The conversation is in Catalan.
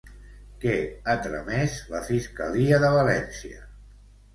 Què ha tramès la Fiscalia de València?